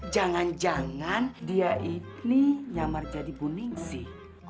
jangan jangan dia ini nyamar jadi buning sih